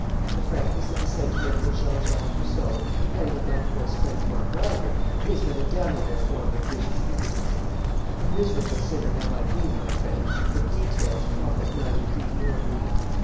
The frankness of the sentimental Jean Jacques Rousseau, and of my coarse friend, Mark Wylder, is but a damnable form of vicious egotism. A miserable sinner have I been, my friend, but details profit neither thee nor me.